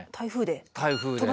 台風で？